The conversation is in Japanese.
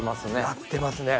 やってますね。